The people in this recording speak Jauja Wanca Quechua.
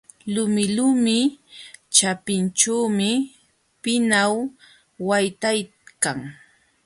Lumilumi ćhapinćhuumi pinaw waytaykan.